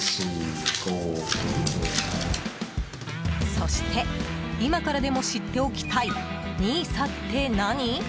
そして今からでも知っておきたいＮＩＳＡって何？